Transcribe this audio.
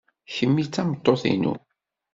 Kemmi d tameṭṭut-inu.